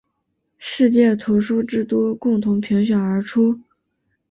世界图书之都共同评选而出。